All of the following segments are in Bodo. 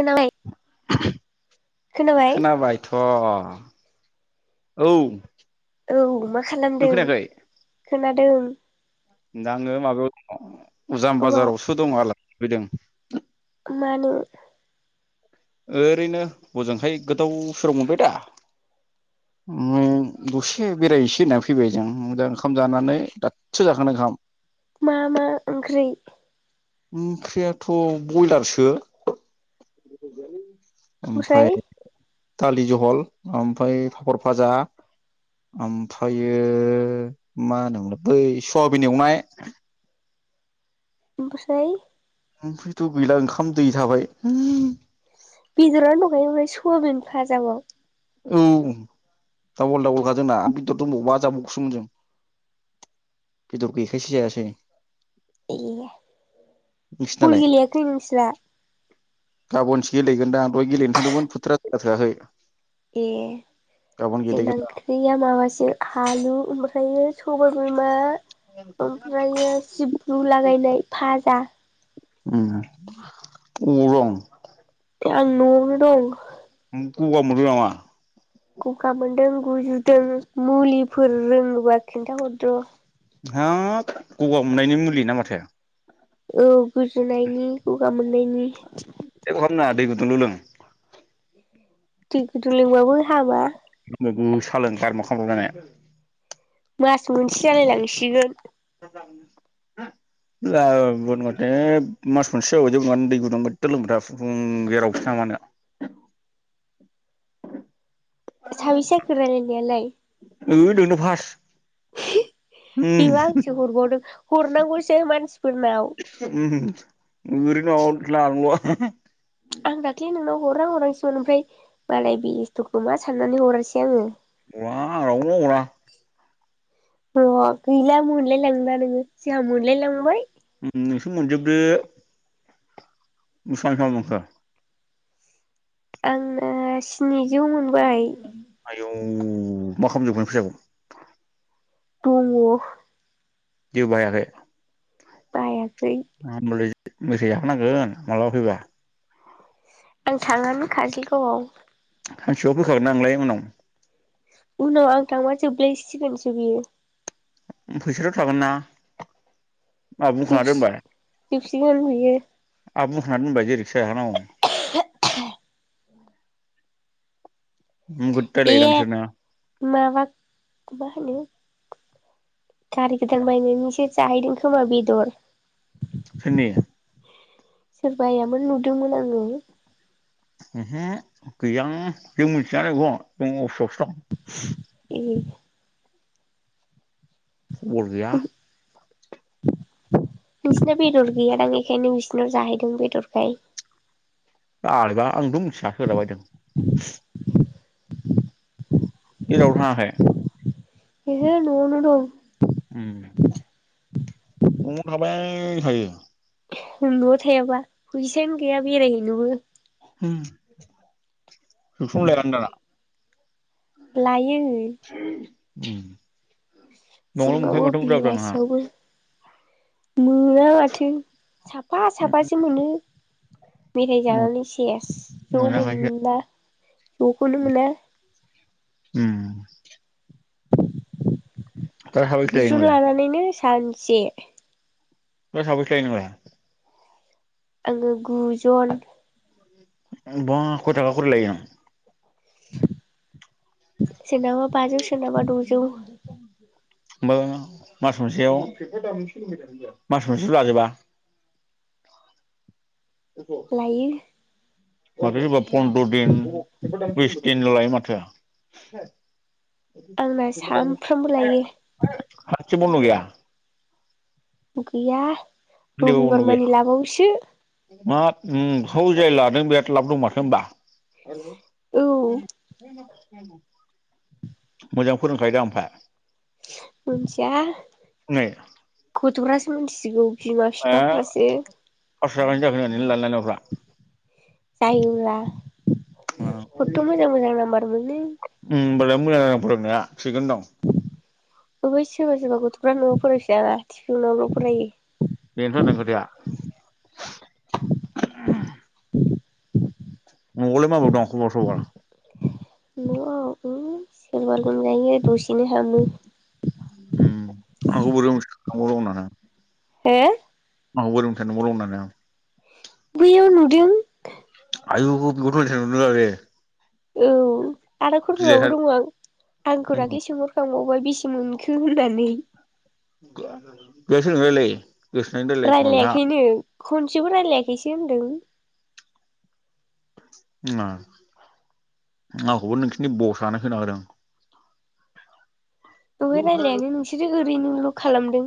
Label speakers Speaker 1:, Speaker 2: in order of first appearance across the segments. Speaker 1: खोनाबाय।
Speaker 2: [inaudible]
Speaker 1: खोनाबाय
Speaker 2: खोनाबायथ' अ अ औ
Speaker 1: औ मा
Speaker 2: नों
Speaker 1: खालामदों
Speaker 2: खोनायाखै
Speaker 1: खोनादों दों
Speaker 2: दा आङो माबायाव दङ। उजाम
Speaker 1: औ
Speaker 2: बाजारावसो दङो आल फैदों [unintelligible]
Speaker 1: मानो?
Speaker 2: ओरैनो हजोंहाय गोथाव सोराव मोनबाय दा ओम दसे बेरायसे होननानै फैबाय जों ओंखाम जानानै दाथसो जाखानाय ओंखाम।
Speaker 1: मा मा ओंख्रि?
Speaker 2: ओंख्रियाथ' बयलारसो। ओमफ्राय
Speaker 1: ओमफ्राय
Speaker 2: दालि जहल ओमफ्राय पापर भाजा ओमफ्रायो मा होनोल बै सयाबिन एवनाय।
Speaker 1: ओमफ्राय
Speaker 2: ओमफ्रायथ' गैला ओंखाम दै थाबाय।
Speaker 1: बेदरानो दंखायो ओमफ्राय सवााबिन फाजाबाव।
Speaker 2: औ दाबल दाबलखा जोंना बेदर दंबावोबा जाबावगोनसो मोन जों बेदर गैयैखायसो जायासै।
Speaker 1: ए बल
Speaker 2: नोंसिनालाय
Speaker 1: गेलेयाखै नोंस्रा?
Speaker 2: गाबोनसो गेलेगोन दहाय गेलेनो थांदोंमोन फोथारा जायगा थोयाखै।
Speaker 1: ए जोंना ओंख्रिया माबा सो आलु ओमफ्रायो सबायाइ बिमा ओमफ्रायो सिब्रु लागायनाय फाजा
Speaker 2: उम उबोव दं
Speaker 1: आं न'आवनो दं।
Speaker 2: गगा मोनदों नामा?
Speaker 1: गा मोनदों गुजुदों मुलिफोर रोंङोबा खिन्थाहरदो।
Speaker 2: हाब गगा मोननायनि मुलि ना माथो?
Speaker 1: औ गुजुनायनि गगा मोननायनि।
Speaker 2: [unintelligible] दै गुदुं ल' लों।
Speaker 1: दै गुदुं लिंबाबो हामा।
Speaker 2: सा लों गारमा खामलाबलायनानै।
Speaker 1: मास मोनसे जालाय लांसिगोन।
Speaker 2: [unintelligible]
Speaker 1: साबैसे जाखो रायलायनायालाय
Speaker 2: होय नोंनो फास उम
Speaker 1: बिबो आांसे हरबावनो हरनांगौसो मानसि
Speaker 2: [unintelligible] [unintelligible] [unintelligible]
Speaker 1: आं दाख्लि नोंनाव हरना हरांसैमोन आमफ्राय मालाय बेस्थ‌' खोमा साननानै हरसै आंङो
Speaker 2: [unintelligible] [unintelligible]
Speaker 1: न' गैला मोनलायलांदा नोंङो जोंहा मोनलाय लांबाय
Speaker 2: नोंसो मोनजोबदो [unintelligible] [unintelligible]
Speaker 1: आंना स्निजौ मोनबाय
Speaker 2: औ मा खालामजोबगोन फैसाखौ
Speaker 1: दङ
Speaker 2: जेबो बाहायाखै
Speaker 1: बाहायाखै
Speaker 2: मेथाइ जाहोनांगोन मालाबा फैबा
Speaker 1: आं थाङानो काजोलगावआव
Speaker 2: सानसेबाबो फैखागोन ना नोंलाय उनाव
Speaker 1: उनाव आं थांबा जोबलायसिगोनसो बियो
Speaker 2: फैसाथ' थागोनना
Speaker 1: जोबसि जोबसिगोन बियो
Speaker 2: आहा बुंखानानै‌ दोनबाय जेरै जाहोनांगौ नोगोद
Speaker 1: ए
Speaker 2: रायलायोदां बिसोरनो
Speaker 1: माबा मा होनो गारि गोदान बायनायनिसो जाहैदों खोमा बेदर
Speaker 2: सोरनि
Speaker 1: सोर बायामोन नुदोंमोन आङो
Speaker 2: ओहो गैया जों मिथिआनो बेखौ जों अपिसावसो दं
Speaker 1: ए
Speaker 2: खबर गैया
Speaker 1: नोंसिना बेदर गैयादां एखायनो बिसिनाव जाहैदों बेदरखाय
Speaker 2: आरबा आंथ' मिथिआ सोरहा बायदों
Speaker 1: [inaudible]
Speaker 2: जेरावबो थांआखै
Speaker 1: ओहो न'आवनो दं
Speaker 2: न'आव थाबाय थायो
Speaker 1: न'आव थायाबा फैसायानो गैया बेरायहैनोबो
Speaker 2: होम टिउसन लाया नों दाना
Speaker 1: लायो
Speaker 2: [inaudible] ओम होमबालाय मोनखायो
Speaker 1: फुङावबो
Speaker 2: माथो बुरजा बुरजा नोंहा
Speaker 1: बेलासियावबो मोना माथो साफा साफासो मोनो मेथाइ
Speaker 2: नोंहा
Speaker 1: जानानै सेस ज'
Speaker 2: मोनाखैसो
Speaker 1: मोनला ज'खौनो मोना
Speaker 2: ओम साबैसे लायो
Speaker 1: टिउसन
Speaker 2: नोंलाय
Speaker 1: लानानैनो सानसे
Speaker 2: बेयाव थाबाय थायो नामा।
Speaker 1: आङो गुजन
Speaker 2: कम थाखा करि लायो
Speaker 1: [inaudible] सोरनाबा बाजौ सोरनाबा द'जौ
Speaker 2: होमबा मास मोनसेयाव मास मोनसेल लाजोबा।
Speaker 1: लायो।
Speaker 2: माथो सोरबा पन्द्र दिन बिस दिन लायो माथो।
Speaker 1: आंना सानफ्रामबो लायो।
Speaker 2: थि [unintelligible] गैया
Speaker 1: गैया रबिबारमानि लाबावसो
Speaker 2: माखौ जाय लादों बिराद लाब दं माथो होनोमबा
Speaker 1: औ
Speaker 2: मोजां फोरोंखायोदा आमफ्राय
Speaker 1: मोनथिया
Speaker 2: नै
Speaker 1: गथफ्रा सो मिथिगौ। बिमा
Speaker 2: फास्स'
Speaker 1: बिफाफ्रासो
Speaker 2: थाखानि जाखो होननानै लानो लानायफ्रा
Speaker 1: जायोब्ला हथ' मोजां मोजां नाम्बार मोनो
Speaker 2: होमबालाय मोजां जादों फोरोंनाया थिगोन दं।
Speaker 1: बै सोरबा सोरबा गथ'फ्रा न'आव फरायफै नाना तिउसनावल' फरायो।
Speaker 2: बेनोथ जादों खोथाया [inaudible] न'आवलाय माब्रै दं खबर सबर।
Speaker 1: न'आव सोरबा लोमजायो दसेनो हामो।
Speaker 2: उम आंबो [unintelligible]
Speaker 1: हो
Speaker 2: [unintelligible] दं होननानै आं
Speaker 1: बै नुदों
Speaker 2: आयु [unintelligible]
Speaker 1: औ आरो खरफ्रबाबो
Speaker 2: गिलायथार
Speaker 1: दङ आं आंखौ दाख्लै सोंहरखांबाव बेसे मोनखो होननानै
Speaker 2: बेलाय सोरजों रायलायो? गोसोनानै रायलायो खोमा बेहा
Speaker 1: रायलायाखैनो खनसेबो रायलायाखैसो होनदों।
Speaker 2: आंखौबो नोंसिनि बसनो खोथा होदों।
Speaker 1: रायलायानो नोंसोरो ओरैनोल' खालामदों।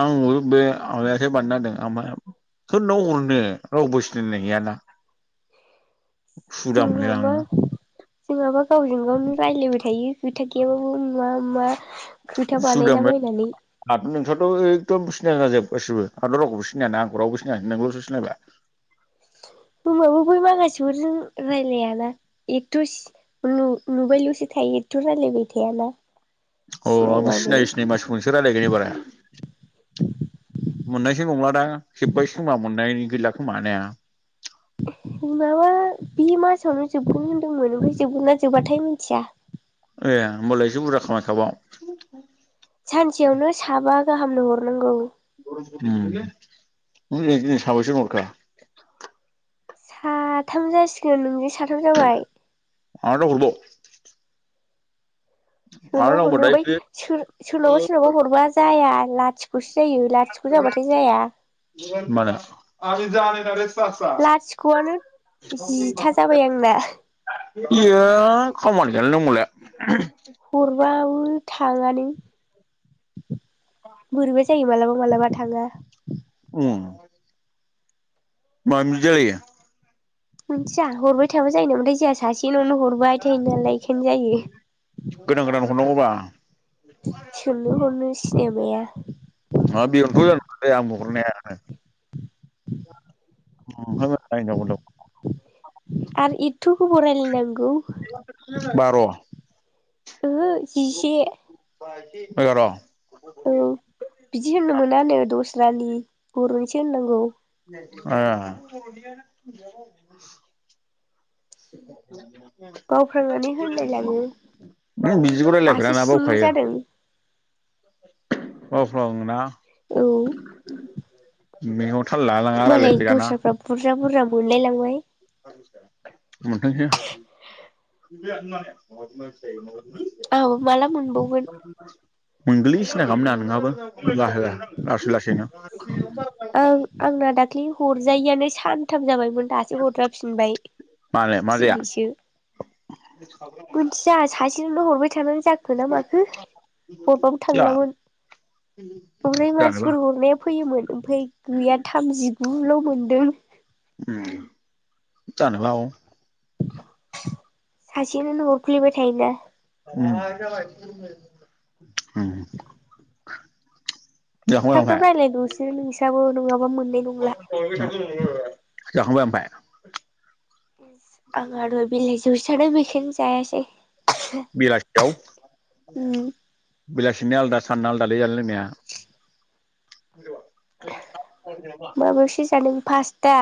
Speaker 2: आंबो बे आमायासो बानायना होदों आं माने सोरनो हरनो रावबो सिनायनाय गैयाना उसुबिदा
Speaker 1: जोंनाबा
Speaker 2: मोनलायलाङो
Speaker 1: जोंहाबा गावजों गावनो रायलायबाय थायो। खोथा गैयाबाबो मा मा खोथा
Speaker 2: उसुबिदामोन
Speaker 1: बानायलाबायनानै
Speaker 2: दाथ' नोंसोरथ' एदम सिना जाना जोब गासिबो आंथ' रावखौबो सिनायाना आंखौ रावबो सिनाया नोंल'सो सिनायबाय
Speaker 1: होमाबो बै माखासेफोरजों रायलायाना एथ' नुबायल'सो थायो एथ' रायलायबाय थायाना
Speaker 2: अ आं
Speaker 1: सिनायबाबो
Speaker 2: सिनायै सिनायै माससिजोंसो रायलायगोन एबारहाय मोननायसो नंला दा जोब्बायसोगोमब्ला मोननायनि गैला खोमानो
Speaker 1: होमबा बे मासावनो जोबगोन होनदोंमोन ओमफ्राय जोबगोनना जोबबाथाय मिथिया
Speaker 2: ए होनबालाय एसे बुरजा खामाय खाबाव
Speaker 1: सानसेयावनो साबा गाहामनो हरनांगौ
Speaker 2: उम नों दिनै साबसे हरखो
Speaker 1: साथाम जासिगोन नोंजों साथाम जाबाय
Speaker 2: आरो हरबाव आरो
Speaker 1: सोरनाव
Speaker 2: नांगौबा
Speaker 1: हरनो
Speaker 2: दायो
Speaker 1: बै
Speaker 2: बे
Speaker 1: सोर सोरनावबा सोरनावबा हरबा जाया लाथिख'सो जायो लाथिख' जाबाथाय जाया
Speaker 2: मानो [unintelligible]
Speaker 1: लाथिख'आनो जिथा जाबाय आंना
Speaker 2: इयो खामानि गैयालै नों होमबालाय
Speaker 1: हरबाबो थाङानो बोरैबा जायो मालाबा मालाबा थाङा
Speaker 2: उम मानो जायो
Speaker 1: मिथिया हरबाय थाबो जायो नामाथाय जोंहा सासे नावनो हरबाय थायो नालाय बेखायनो जायो
Speaker 2: र नांगौबा
Speaker 1: सोंनो हरनो सिनाया माया
Speaker 2: हा बेयावनोथ' जादों खोथाया आंबो हरनाया नोंनो
Speaker 1: आरो इथुखौ गोबाव रायलाय नांगौ
Speaker 2: बार'
Speaker 1: ओहो जिसे
Speaker 2: एगार'
Speaker 1: औ बिदि होननो मोनानो दस रानि बर'निसो होननांगौ
Speaker 2: आ [inaudible]
Speaker 1: बावफ्लांनानै होनलायलाङो
Speaker 2: नों बिदिखौ
Speaker 1: दासो
Speaker 2: रायलायफेराना
Speaker 1: सिनि
Speaker 2: बावखायो
Speaker 1: जादों
Speaker 2: बावफ्लाङोना
Speaker 1: औ
Speaker 2: [unintelligible]
Speaker 1: मालाय
Speaker 2: रायलायफेराना
Speaker 1: दस्राफ्रा बुर बुरजा बुरजा बुनलाय लांबाय
Speaker 2: मोनथामसो
Speaker 1: औ माला मोनबावगोन
Speaker 2: मोनगोनलै सिनथा खालाम नाङा नोंहाबो बाहागोआ लासै लासै लासैनो
Speaker 1: ओं आंना दाखलै हरजायैआनो सा नथाम जाबायमोन दासो हरजाफिनबाय
Speaker 2: मानो मा जाया
Speaker 1: दिनैसो मिथिया सासे बिदिनो हरबाय थानो जाखोना माखो हरबाबो थांलामोन ओमफ्राय
Speaker 2: जानोबा
Speaker 1: मानसिफोर हरनाय फैयोमोन ओमफ्राय गैया थामजि गु ल' मोनदों
Speaker 2: जानोबो हागौ
Speaker 1: सासेनोनो हरफ्लेबाय थायोना
Speaker 2: ओं ओं
Speaker 1: थाफ थाफ रायज्लायदोसो नोंसाबो नङाबा मोन
Speaker 2: [inaudible] जाखांबाय ओमफाय
Speaker 1: आं आरो [inaudible] [inaudible] नो जायासै
Speaker 2: बिलासियाव बेलासिनि आलदा सानना आलादा लै जानाय लोंनाया [inaudible]
Speaker 1: फासता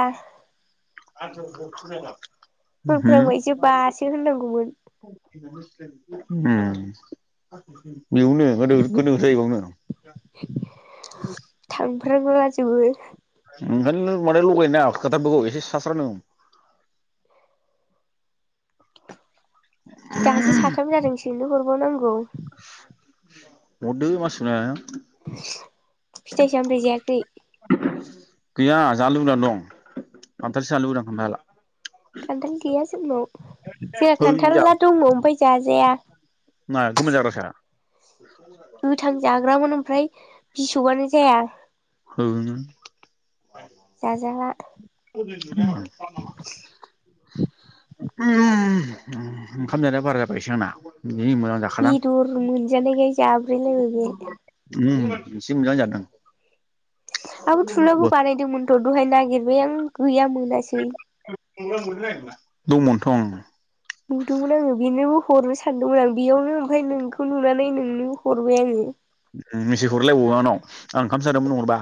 Speaker 2: [unintelligible]
Speaker 1: [unintelligible] इ बासो होननांगौमोन
Speaker 2: उम बेयावनो गोदो गोदो जायोबावनो
Speaker 1: थां फोरा गुलाजोबो
Speaker 2: ओंखायनो लोंबानो लगायनो नाङा खोथाफोरखौ एसे स्रा स्रा लों
Speaker 1: दासो साथाम जादोंस बिनो हरबावनांगौ
Speaker 2: हरदो मानसिखौ नायनानै
Speaker 1: फिथाइ सामथाइ जायाखै
Speaker 2: गैया जानो लुबैना दं खान्थालसो जानो लुबैदां खान्थाल
Speaker 1: खान्थाल गैया जोंनाव जोंहा
Speaker 2: है
Speaker 1: खान्थाला दङ ओमफाय जाजाया
Speaker 2: मा गोमोन जाग्रासो [unintelligible]
Speaker 1: ग्रामोन ओमफ्राय बिसबआनो जाया
Speaker 2: हो नों
Speaker 1: जाज
Speaker 2: [unintelligible] [unintelligible] ओंखाम जानाया बारा जाबाय एसे आंना जि मोजां जाखादां
Speaker 1: बेदर मोनजानायखाय जाब्रेलायबाय बे
Speaker 2: से मोजां जादों
Speaker 1: आबो थुनोबो बानायदोंमोनथ' दहाय नागिर बाय आं गैया मोनासै
Speaker 2: [unintelligible] दंमोनथ'
Speaker 1: नुदोंमोन आङो बिनौ हरनो सानदोंमोन आं बेयावनो ओमफाय नोंखौ नुनानै नोंनो हरबाय आङो
Speaker 2: उम मिसे हरलायबावो आंनाव आं ओंखामसो जादोंमोन नों हरबा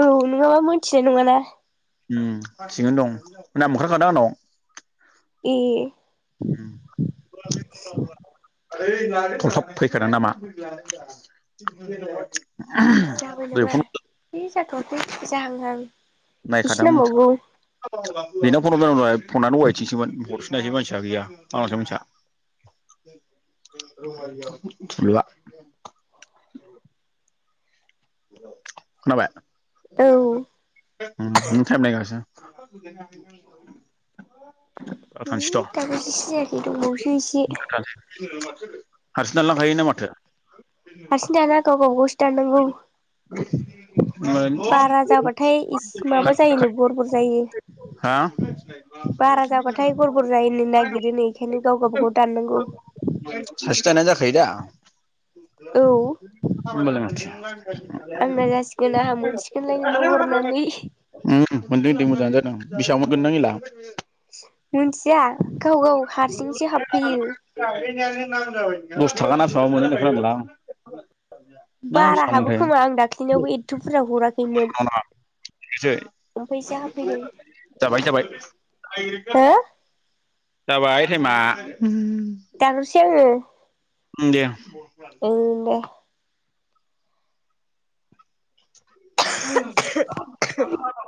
Speaker 1: औ नोङाबा मोन थिनाय नङा ना
Speaker 2: उम थिगैनो दं नाम ओंखारखादों आंनाव
Speaker 1: ए
Speaker 2: उम थलथब फैखादों नामा [inaudible] बे फन [inaudible]
Speaker 1: जाथ'आखै जाहांहां
Speaker 2: नायखादों
Speaker 1: एसे
Speaker 2: मोनथि
Speaker 1: नांबावगौ
Speaker 2: बिनाव फन हरबाय आं दहाय फनानो अआयथिंसोमोन हर नै मोनसियानो गैया [unintelligible] खोनाबाय
Speaker 1: औ
Speaker 2: [unintelligible] [inaudible] आं थांसैथ'
Speaker 1: [unintelligible]
Speaker 2: [inaudible] [inaudible] हारसिं दानलांखायो ना माथो
Speaker 1: दाननांगौ बारा जाबाथाय इस माबा जायोनो गरबर जायो
Speaker 2: हा
Speaker 1: बारा जाबाथाय गरबर जायोनो नागिरोनो
Speaker 2: [inaudible]
Speaker 1: बेखायनो गाव गावबा गाव दाननांगौ
Speaker 2: सासे दाननायानो जाखायो दा
Speaker 1: औ
Speaker 2: ओमबालाय माथो
Speaker 1: आंना जासिगोना आंहा मोनसे थिखोन लाय नोंनो हरनानै
Speaker 2: मोनदों दे मोजांआनो जादों बेसां मोनगोन नों इला
Speaker 1: मोनथिया गाव गाव हारसिंसो हाबफैयो
Speaker 2: दस थाखा ना बेसेबां मोनो होननाय खोनादोंलां आं
Speaker 1: बारा हाबो खोमा आं दाख्लिनावबो एथ' बुरजा हराखै
Speaker 2: [inaudible] सै
Speaker 1: ओमफ्रायसो हाबफैदों
Speaker 2: जाबाय जाबाय
Speaker 1: हो
Speaker 2: जाबाय थाइमा
Speaker 1: दाननोसै आङो
Speaker 2: ओम दे
Speaker 1: उम दे
Speaker 2: [inaudible]